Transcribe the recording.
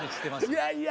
いやいや！